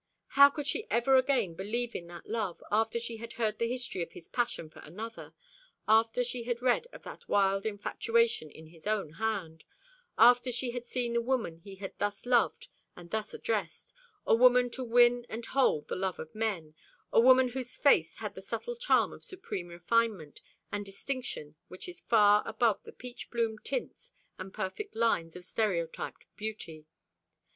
How could she ever again believe in that love, after she had heard the history of his passion for another, after she had read of that wild infatuation in his own hand, after she had seen the woman he had thus loved and thus addressed a woman to win and hold the love of men, a woman whose face had that subtle charm of supreme refinement and distinction which is far above the peach bloom tints and perfect lines of stereotyped beauty?